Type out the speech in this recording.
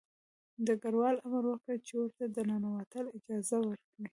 ډګروال امر وکړ چې ورته د ننوتلو اجازه ورکړي